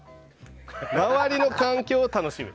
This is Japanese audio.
周りの環境を楽しむ。